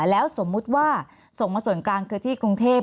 แล้วสมมุติว่าส่งมาส่วนกลางคือที่กรุงเทพ